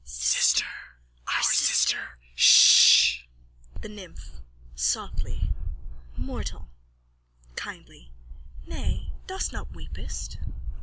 _ Sister. Our sister. Ssh! THE NYMPH: (Softly.) Mortal! (Kindly.) Nay, dost not weepest!